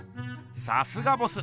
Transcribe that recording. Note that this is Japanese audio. さすがボス！